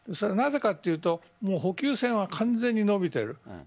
なぜかというと補給線は完全にのびている。